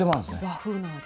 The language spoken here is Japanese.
和風の味。